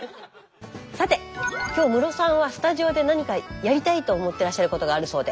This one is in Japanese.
さて今日ムロさんはスタジオで何かやりたいと思ってらっしゃることがあるそうで。